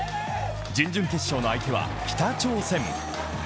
準々決勝の相手は北朝鮮。